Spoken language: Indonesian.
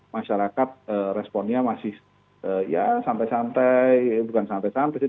masyarakat responnya masih ya sampai sampai bukan sampai sampai sih